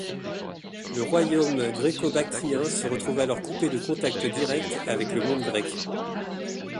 Le royaume gréco-bactrien se retrouve alors coupé de contact direct avec le monde grec.